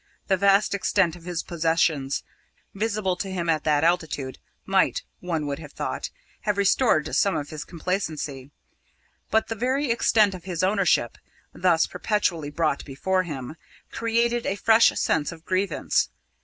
The vast extent of his possessions, visible to him at that altitude, might, one would have thought, have restored some of his complacency. But the very extent of his ownership, thus perpetually brought before him, created a fresh sense of grievance.